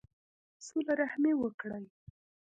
صلہ رحمي وکړئ